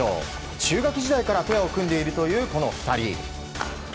中学時代からコンビを組んでいるというこの２人。